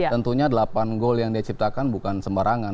tentunya delapan gol yang dia ciptakan bukan sembarangan